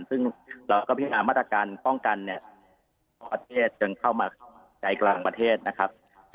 ซึ่งเราก็พิจารณามาตรการป้องกันของประเทศจนเข้ามาใจกลางประเทศนะครับ